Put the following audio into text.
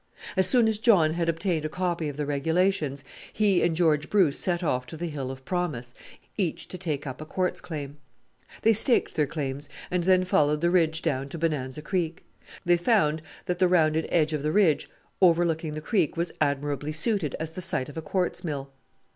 As soon as John had obtained a copy of the regulations he and George Bruce set off to the hill of promise, each to take up a quartz claim. They staked their claims, and then followed the ridge down to Bonanza Creek. They found that the rounded end of the ridge overlooking the creek was admirably suited as the site of a quartz mill.